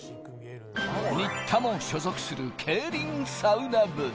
新田も所属する競輪サウナ部。